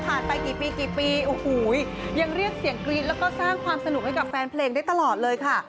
ไปกี่ปีกี่ปีโอ้โหยังเรียกเสียงกรี๊ดแล้วก็สร้างความสนุกให้กับแฟนเพลงได้ตลอดเลยค่ะ